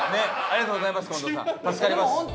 ありがとうございます近藤さん。